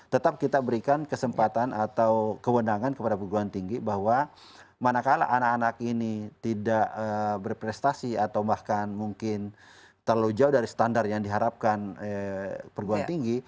tetap kita berikan kesempatan atau kewenangan kepada perguruan tinggi bahwa manakala anak anak ini tidak berprestasi atau bahkan mungkin terlalu jauh dari standar yang diharapkan perguruan tinggi